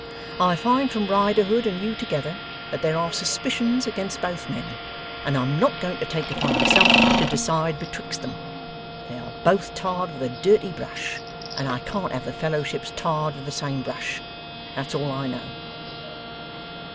I find from Riderhood and you together, that there are suspicions against both men, and I'm not going to take upon myself to decide betwixt them. They are both tarred with a dirty brush, and I can't have the Fellowships tarred with the same brush. That's all I know.